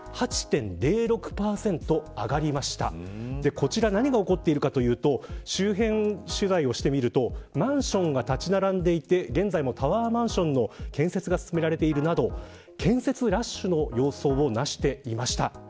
こちら何が起こっているかというと周辺取材をしてみるとマンションが建ち並んでいて現在もタワーマンションの建設が進められているなど建設ラッシュの様相をなしていました。